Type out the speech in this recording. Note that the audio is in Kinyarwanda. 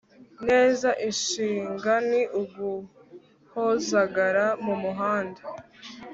neza inshinga ni uguhozagara mumuhanda